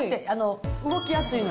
動きやすいの。